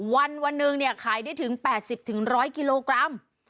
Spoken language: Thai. วันหนึ่งเนี่ยขายได้ถึง๘๐๑๐๐กิโลกรัม